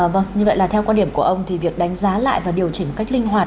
vâng như vậy là theo quan điểm của ông thì việc đánh giá lại và điều chỉnh một cách linh hoạt